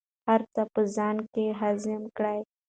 هر څه په ځان کې هضم کړئ.